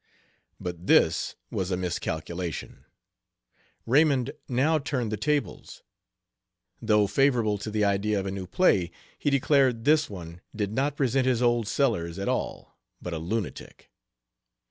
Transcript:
But this was a miscalculation. Raymond now turned the tables. Though favorable to the idea of a new play, he declared this one did not present his old Sellers at all, but a lunatic.